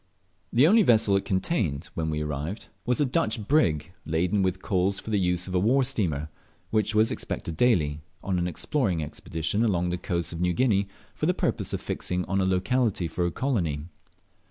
The only vessel it contained when we arrived was a Dutch brig, laden with coals for the use of a war steamer, which was expected daily, on an exploring expedition along the coasts of New Guinea, for the purpose of fixing on a locality for a colony.